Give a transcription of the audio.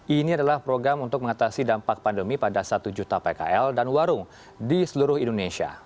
ini adalah program untuk mengatasi dampak pandemi pada satu juta pkl dan warung di seluruh indonesia